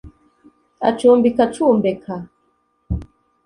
acumbika acumbeka